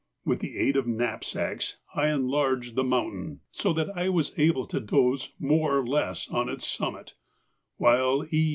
With the aid of knapsacks I enlarged the mountain, so that I was able to doze more or less on its summit, while E.